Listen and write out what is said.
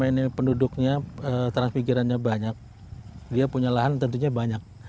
kalau kawasan itu penduduknya trans pikirannya banyak dia punya lahan tentunya banyak